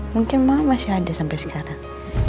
mungkin mama masih ada sampai sekarang